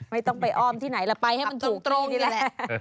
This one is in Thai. ไม่ต้องไปอ้อมที่ไหนไปให้มันจุตรงที่นี่แหละ